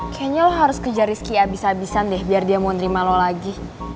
kayaknya kamu harus kejar rizky abis abisan deh biar dia mau nerima lo lagi